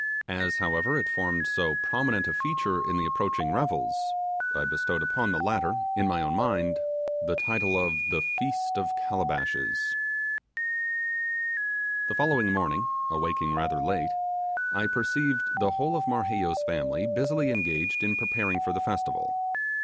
As, however, it formed so prominent a feature in the approaching revels, I bestowed upon the latter, in my own mind, the title of the 'Feast of Calabashes'. The following morning, awaking rather late, I perceived the whole of Marheyo's family busily engaged in preparing for the festival.